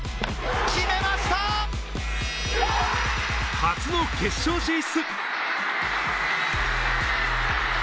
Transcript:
初の決勝進出！